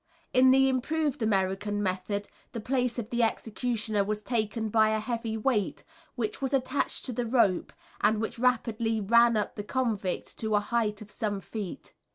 In the improved American method the place of the executioner was taken by a heavy weight which was attached to the rope and which rapidly ran up the convict to a height of some feet.